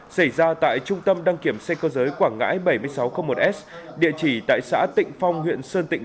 xảy ra tại trung tâm đăng kiểm xe cơ giới quảng ngãi bảy nghìn sáu trăm linh một s địa chỉ tại xã tịnh phong huyện sơn tịnh